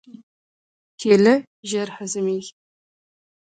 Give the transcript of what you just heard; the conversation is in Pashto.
کېله ژر هضمېږي.